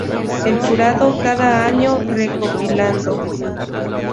El jurado cada año re-compilado.